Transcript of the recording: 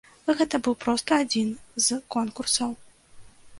Гэта быў проста адзін з конкурсаў.